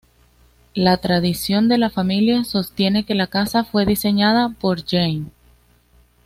La tradición de la familia sostiene que la casa fue diseñada por Jane.